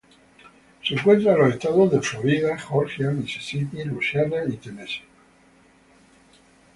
Se encuentra en los estados de Florida, Georgia, Mississippi, Luisiana y Tennessee.